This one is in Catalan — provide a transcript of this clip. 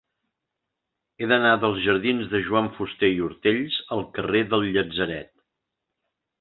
He d'anar dels jardins de Joan Fuster i Ortells al carrer del Llatzeret.